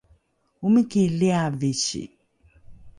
omiki liavisi